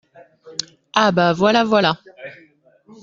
Ah bah !… voilà ! voilà !